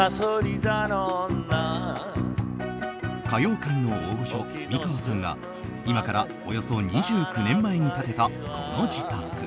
歌謡界の大御所、美川さんが今からおよそ２９年前に建てたこの自宅。